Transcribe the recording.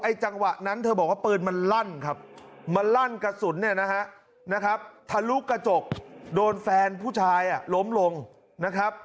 ที่เธอบอกว่าปืนมันลั่นกระสุนถรุกกระจกโดนแฟนผู้ชายล้มถึงลง